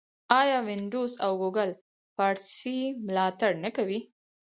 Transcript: آیا وینډوز او ګوګل فارسي ملاتړ نه کوي؟